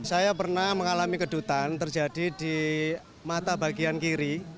saya pernah mengalami kedutan terjadi di mata bagian kiri